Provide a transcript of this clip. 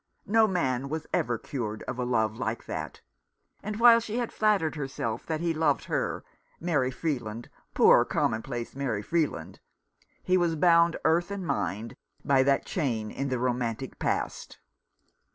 No man was ever cured of a love like that. And while she had flattered herself that he loved her, Mary Freeland — poor commonplace Mary Freeland — he was bound earth and mind by that chain in the romantic past.